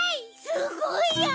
すごいや！